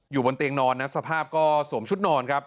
บนเตียงนอนนะสภาพก็สวมชุดนอนครับ